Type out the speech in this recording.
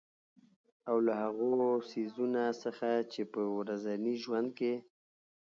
او له هـغو څـيزونه څـخـه چـې په ورځـني ژونـد کـې